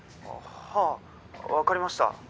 はぁ分かりました。